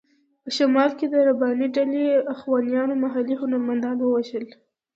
په شمال کې د رباني ډلې اخوانیانو محلي هنرمندان ووژل.